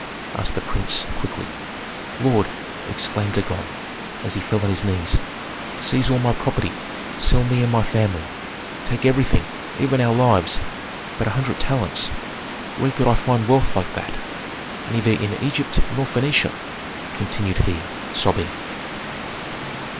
asked the prince, quickly. "Lord," exclaimed Dagon, as he fell on his knees, "seize all my property, sell me and my family. Take everything, even our lives but a hundred talents where could I find wealth like that? Neither in Egypt nor Phœnicia," continued he, sobbing.